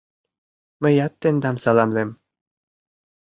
— Мыят тендам саламлем.